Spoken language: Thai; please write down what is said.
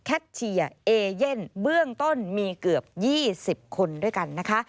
เชียร์เอเย่นเบื้องต้นมีเกือบ๒๐คนด้วยกันนะคะ